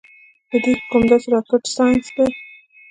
پۀ دې کوم داسې راکټ سائنس دے -